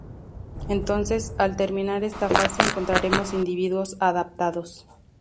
Entonces, al terminar esta fase encontraremos individuos adaptados